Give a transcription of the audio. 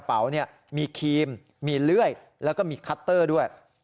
ภายเป๋ามีครีมมีเรื้อยและมีคัตเตอร์ด้วย